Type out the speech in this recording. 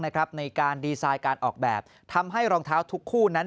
ในการดีไซน์การออกแบบทำให้รองเท้าทุกคู่นั้น